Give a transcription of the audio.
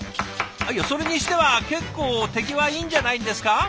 いやそれにしては結構手際いいんじゃないんですか？